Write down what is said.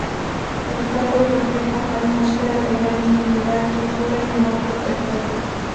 El cuadro refleja una atmósfera de gran intimidad, dulzura y amor protector.